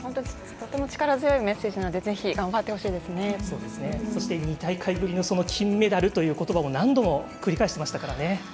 力強いメッセージなので２大会ぶりの金メダルということばを何度も繰り返してましたからね。